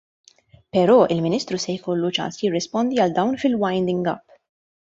Però l-Ministru se jkollu ċans jirrispondi għal dan fil-winding up.